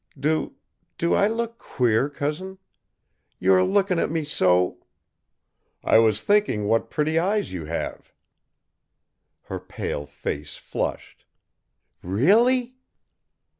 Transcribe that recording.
Do do I look queer, Cousin? You are looking at me so ?" "I was thinking what pretty eyes you have." Her pale face flushed. "Really?"